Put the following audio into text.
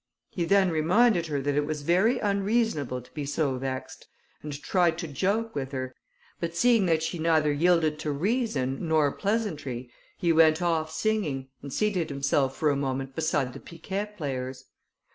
He then reminded her, that it was very unreasonable to be so vexed, and tried to joke with her; but seeing that she neither yielded to reason nor pleasantry, he went off singing, and seated himself for a moment beside the piquet players.